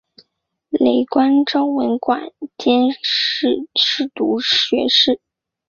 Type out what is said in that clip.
累官昭文馆兼侍读学士。